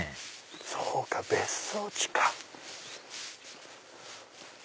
そうか別荘地か。